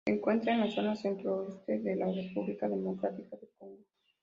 Se encuentra en la zona centro-oeste de la República Democrática del Congo.